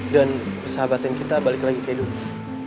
dan persahabatan kita balik lagi ke rumah